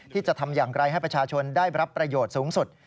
ที่จะทำอย่างไรให้ประชาชนได้รับประโยชน์สูงสุด